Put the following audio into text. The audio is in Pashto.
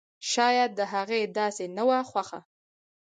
شايد د هغې داسې نه وه خوښه!